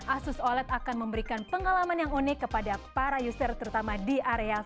asus oled akan memberikan pengalaman yang unik kepada para user terutama di areal